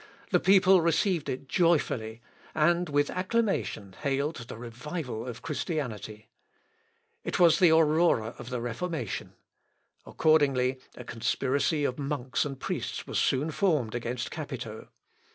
The people received it joyfully, and with acclamation hailed the revival of Christianity. It was the aurora of the Reformation. Accordingly a conspiracy of monks and priests was soon formed against Capito.